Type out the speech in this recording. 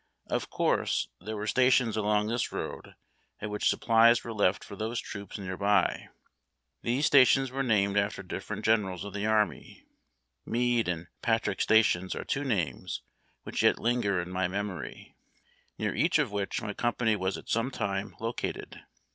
Of course, there were stations along this road at which supplies were left for those troops near by. These stations were named after different generals of the army. Meade and Patrick stations are two names which yet linger in my memory, near each of which my company was at some time located.